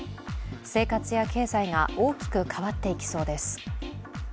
生活や経済が大きく変わっていきそうです。